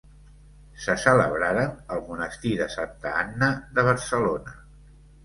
Se celebraren al monestir de Santa Anna de Barcelona.